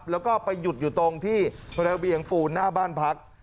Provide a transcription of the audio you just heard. แล้วก็ไปหยุดอยู่ตรงที่ระเบียงปูนหน้าบ้านพัก